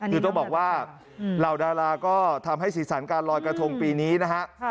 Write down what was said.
คือต้องบอกว่าเหล่าดาราก็ทำให้สีสันการลอยกระทงปีนี้นะฮะ